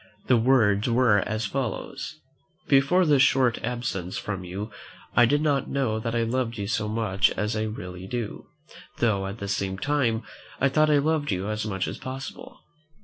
The words were as follows: "Before this short absence from you, I did not know that I loved you so much as I really do; though, at the same time, I thought I loved you as much as possible.